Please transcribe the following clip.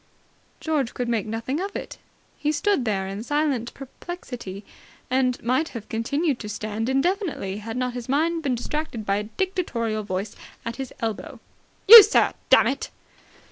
George could make nothing of it. He stood there in silent perplexity, and might have continued to stand indefinitely, had not his mind been distracted by a dictatorial voice at his elbow. "You, sir! Dammit!"